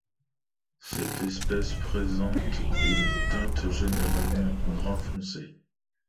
Cette espèce présente une teinte générale brun foncé.